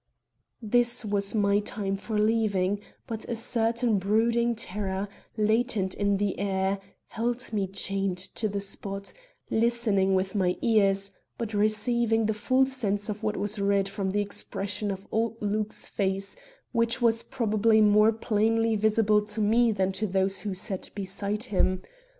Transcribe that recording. This was my time for leaving, but a certain brooding terror, latent in the air, held me chained to the spot, listening with my ears, but receiving the full sense of what was read from the expression of old Luke's face, which was probably more plainly visible to me than to those who sat beside him.